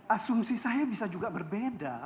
asumsi saya bisa juga berbeda